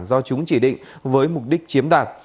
do chúng chỉ định với mục đích chiếm đoạt